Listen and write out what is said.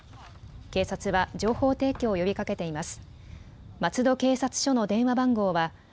警察は情報提供を呼びかけています。